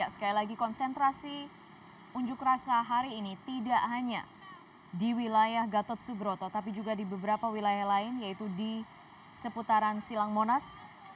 sekali lagi konsentrasi unjuk rasa hari ini tidak hanya di wilayah gatot subroto tapi juga di beberapa wilayah lain yaitu di seputaran silang monas